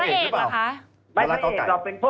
มีใจหรือเปล่า